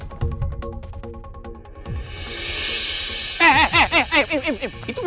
oh di sana